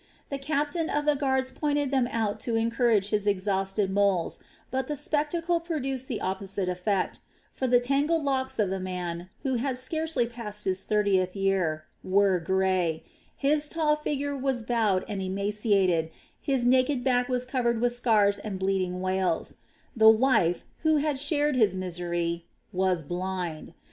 The captain of the guards pointed them out to encourage his exhausted moles, but the spectacle produced the opposite effect; for the tangled locks of the man, who had scarcely passed his thirtieth year, were grey, his tall figure was bowed and emaciated, and his naked back was covered with scars and bleeding wales; the wife, who had shared his misery, was blind.